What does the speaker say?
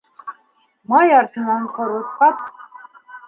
Май артынан ҡорот ҡап